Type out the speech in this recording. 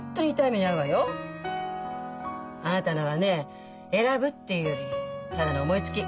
あなたのはね選ぶっていうよりただの思いつき。